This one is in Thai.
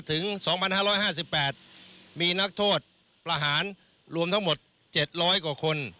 ถึง๒๕๕๘มีนักโทษประหารรวมทั้งหมด๗๐๐กว่าคน